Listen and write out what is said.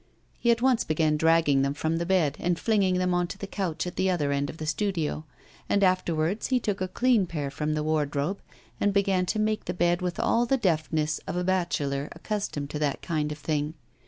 He at once began dragging them from the bed and flinging them on to the couch at the other end of the studio. And afterwards he took a clean pair from the wardrobe and began to make the bed with all the deftness of a bachelor accustomed to that kind of thing.